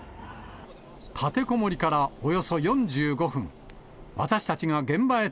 立てこもりからおよそ４５分。